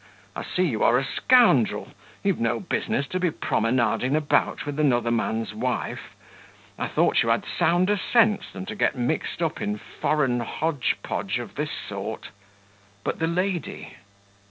I see you are a scoundrel; you've no business to be promenading about with another man's wife. I thought you had sounder sense than to get mixed up in foreign hodge podge of this sort." "But the lady?"